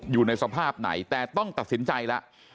อยู่ในสภาพไหนแต่ต้องตัดสินใจแล้ว